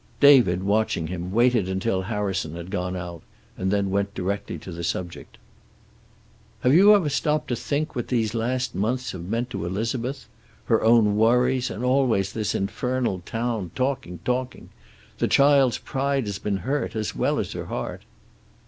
David, watching him, waited until Harrison had gone, and went directly to the subject. "Have you ever stopped to think what these last months have meant to Elizabeth? Her own worries, and always this infernal town, talking, talking. The child's pride's been hurt, as well as her heart."